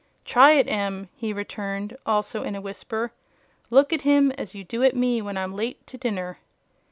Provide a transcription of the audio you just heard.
"Try it, Em," he returned, also in a whisper. "Look at him as you do at me when I'm late to dinner."